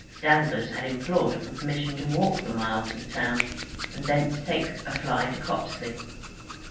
Danvers had implored for permission to walk the mile to the town, and thence take a fly to Copsley.